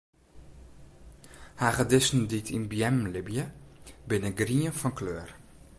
Hagedissen dy't yn beammen libje, binne grien fan kleur.